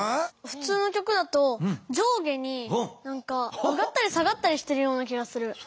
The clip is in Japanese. ふつうの曲だと上下に上がったり下がったりしてるような気がする。